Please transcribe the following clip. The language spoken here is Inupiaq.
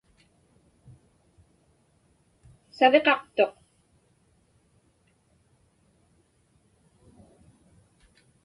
Saviqaqtuq.